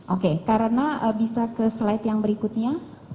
oke karena bisa ke slide yang berikutnya